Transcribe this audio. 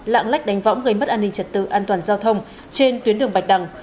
lạng lách đánh võng gây mất an ninh trật tự an toàn giao thông trên tuyến đường bạch đằng